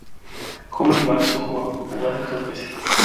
Homer y Bart son jugados dos veces.